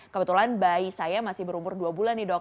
kebetulan bayi saya masih berumur dua bulan nih dok